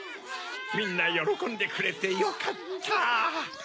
みんなよろこんでくれてよかった！